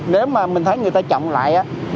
nếu mà mình thấy người ta chậm lại